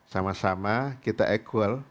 sama sama kita equal